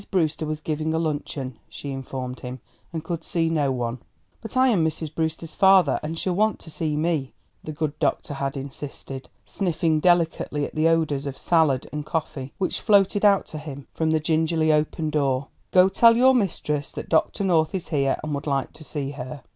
Brewster was giving a luncheon, she informed him, and could see no one. "But I am Mrs. Brewster's father, and she'll want to see me," the good doctor had insisted, sniffing delicately at the odours of salad and coffee which floated out to him from the gingerly opened door. "Go tell your mistress that Dr. North is here and would like to see her."